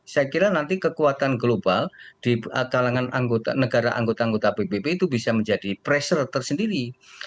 saya kira nanti kekuatan global di kalangan negara anggota anggota pbb itu bisa menjadi pressure tersendiri